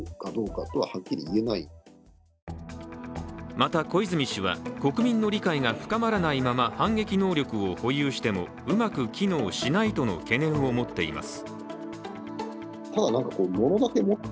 また小泉氏は、国民の理解が深まらないまま反撃能力を保有しても、うまく機能しないとの懸念を持っています。